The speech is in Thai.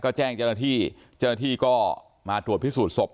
ก็แจ้งเจราที่เจราที่ก็มาตรวจพิสูจน์ศพ